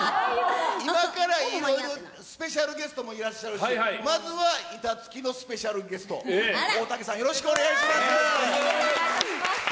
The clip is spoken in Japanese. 今からいろいろ、スペシャルゲストもいらっしゃるし、まずは板付きのスペシャルゲスト、大竹さん、よろしくお願いします。